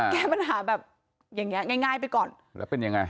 แก้ปัญหาแบบอย่างเงี้ง่ายง่ายไปก่อนแล้วเป็นยังไง